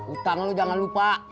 utang lo jangan lupa